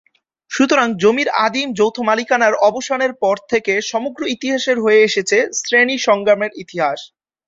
সুতরাং জমির আদিম যৌথ মালিকানার অবসানের পর থেকে সমগ্র ইতিহাস হয়ে এসেছে শ্রেণী সংগ্রামের ইতিহাস।